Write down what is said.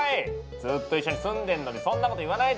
ずっと一緒に住んでんのにそんなこと言わないで！